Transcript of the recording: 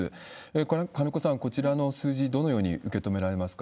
これ、金子さん、こちらの数字、どのように受け止められますか？